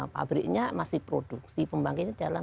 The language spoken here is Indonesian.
fabriknya masih produksi pembangkitnya jalan